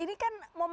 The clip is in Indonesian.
ini kan momental